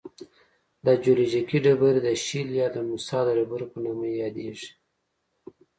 دا جیولوجیکي ډبرې د شیل یا د موسی د ډبرو په نامه یادیږي.